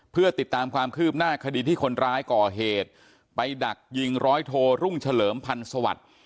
เพื่อติดตามความคืบหน้าคดีที่คนร้ายก่อเหตุไปดักยิงร้อยโทรุ่งเฉลิมพันธ์สวัสดิ์